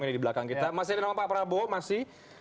ini di belakang kita mas ilham pak prabowo masi